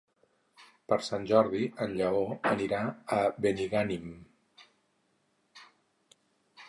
Per Sant Jordi en Lleó anirà a Benigànim.